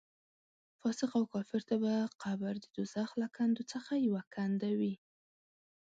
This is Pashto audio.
فاسق او کافر ته به قبر د دوزخ له کندو څخه یوه کنده وي.